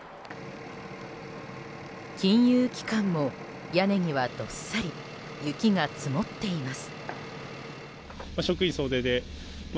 金融機関も屋根にはどっさり雪が積もっています。